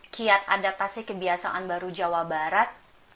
kiat adaptasi kebiasaan baru jawa barat